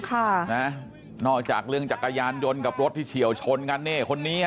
ค่ะนะนอกจากเรื่องจักรยานยนต์กับรถที่เฉียวชนกันเนี่ยคนนี้